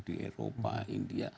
di eropa india